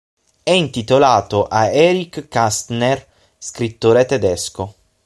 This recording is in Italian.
È intitolato a Erich Kästner, scrittore tedesco.